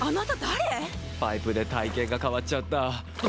パイプで体形が変わっちゃった。